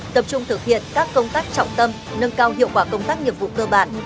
tập trung thực hiện các công tác trọng tâm nâng cao hiệu quả công tác nhiệm vụ cơ bản